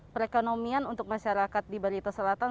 perekonomian untuk masyarakat di barito selatan